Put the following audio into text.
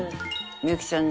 みゆきちゃんが？